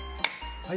はい！